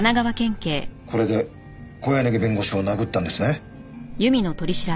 これで小柳弁護士を殴ったんですね？